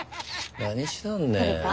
何しとんねん。